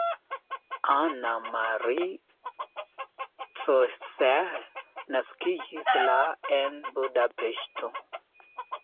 Anna Marie Cseh naskiĝis la en Budapeŝto.